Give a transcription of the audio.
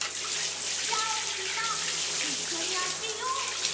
じゃあみんないっしょにあてよう！